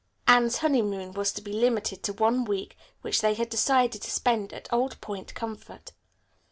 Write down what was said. Anne's honeymoon was to be limited to one week which they had decided to spend at Old Point Comfort.